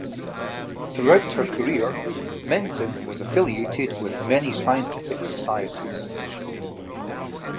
Throughout her career Menten was affiliated with many scientific societies.